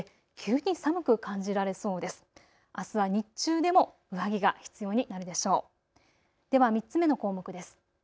では３つ目の項目です。